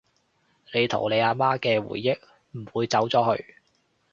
你同你阿媽嘅回憶唔會走咗去